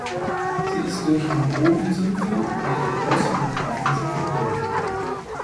Sie ist durch Mangrovensümpfe mit der großen Nachbarinsel verbunden.